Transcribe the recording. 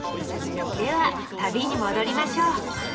では旅に戻りましょう。